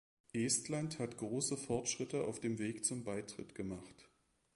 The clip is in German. Estland hat große Fortschritte auf dem Weg zum Beitritt gemacht.